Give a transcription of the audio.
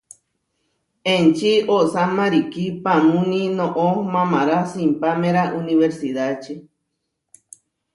Enči osá marikí paamúni noʼo mamará simpáméra unibersidáči.